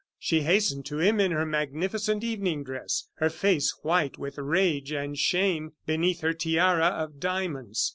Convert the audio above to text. She hastened to him in her magnificent evening dress, her face white with rage and shame beneath her tiara of diamonds.